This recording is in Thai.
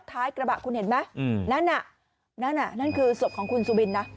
ท้ายกระบะคุณเห็นไหมนั่นคือศพของคุณสุบินนะ